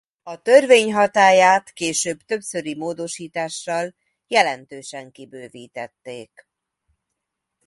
A törvény hatályát később többszöri módosítással jelentősen kibővítették.